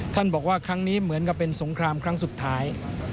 บอกว่าครั้งนี้เหมือนกับเป็นสงครามครั้งสุดท้าย